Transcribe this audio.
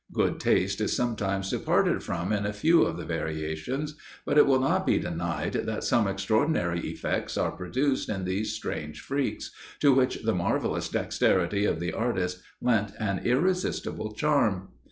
Good taste is sometimes departed from in a few of the variations, but it will not be denied that some extraordinary effects are produced in those strange freaks, to which the marvellous dexterity of the artist lent an irresistible charm.